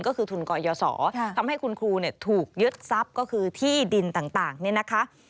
ก็คือทุนก่อยสอทำให้คุณครูถูกยึดทรัพย์ก็คือที่ดินต่างนี่นะคะ